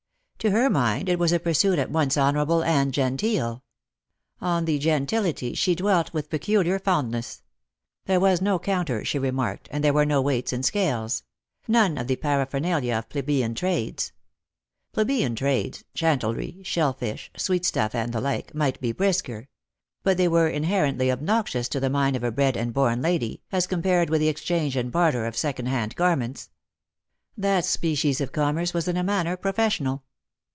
To her mind it was a pursuit at once honourable and genteel. On the gen tility she dwelt with peculiar fondness. There was no counter, she remarked, and there were no weights and scales ; none of the paraphernalia of plebeian trades. Plebeian trades chand lery, shellfish, sweetstuff, and the like — might be brisker ; but they were inherently obnoxious to the mind of a bred and born lady, as compared with the exchange and barter of second hand garments. That specieb of commerce was in a manner pro fessional.